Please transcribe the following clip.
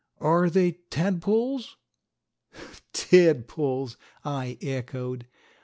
Are they tadpoles?" "Tadpoles!" I echoed.